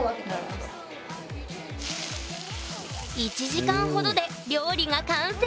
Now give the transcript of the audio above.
１時間ほどで料理が完成！